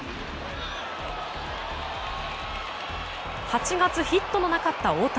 ８月、ヒットのなかった大谷。